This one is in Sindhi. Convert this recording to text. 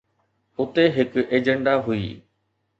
اتي هڪ ايجنڊا هئي